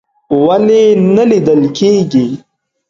ولې نه لیدل کیږي؟